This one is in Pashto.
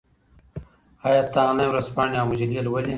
آیا ته انلاین ورځپاڼې او مجلې لولې؟